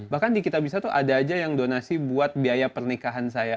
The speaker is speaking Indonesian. bahkan di kitabisa tuh ada aja yang donasi buat biaya pernikahan saya